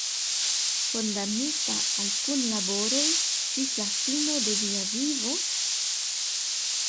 Kondamnita al punlaboroj ĝis la fino de via vivo?